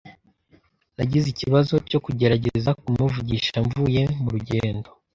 Nagize ikibazo cyo kugerageza kumuvugisha mvuye mu rugendo.